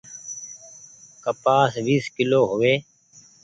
ڪپآس ويس ڪلو هووي۔